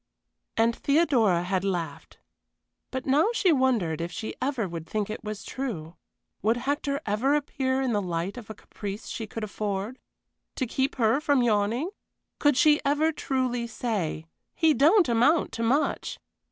And Theodora had laughed, but now she wondered if ever she would think it was true. Would Hector ever appear in the light of a caprice she could afford, to keep her from yawning? Could she ever truly say, "He don't amount to much!"